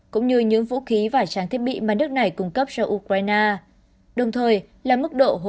cũng như những vũ khí và trang thiết bị mà nước này cung cấp cho ukraine đồng thời là mức độ hỗ trợ